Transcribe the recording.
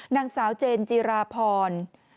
นักสาวเจญจีราพอร์